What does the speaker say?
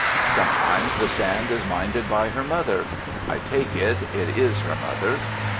Sometimes the stand is minded by her mother. (I take it, it is her mother.)